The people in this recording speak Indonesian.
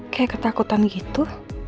kayak ketakutan gitu